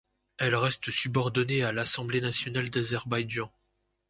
Elle reste subordonnée à l'Assemblée nationale d'Azerbaïdjan.